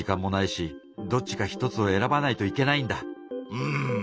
うん。